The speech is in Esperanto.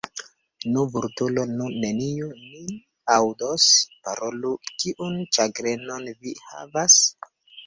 Nu, Vulturo, nun neniu nin aŭdos, parolu: kiun ĉagrenon vi havas?